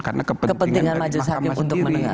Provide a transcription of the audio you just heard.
karena kepentingan dari mahkamah sendiri